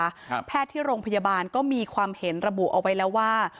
แพทย์ที่โรงพยาบาลก็มีความเห็นระบุเอาไว้แล้วว่า